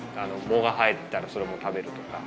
藻が生えてたらそれも食べるとか。